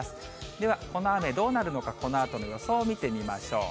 では、この雨、どうなるのか、このあとの予想を見てみましょう。